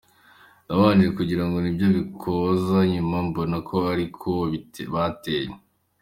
nabanje kugira ngo ni ibyo bikoza nyuma mbona ko ari ko bateye.